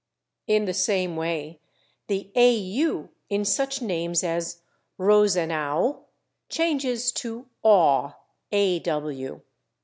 In the same way the /au/ in such names as /Rosenau/ changes to /aw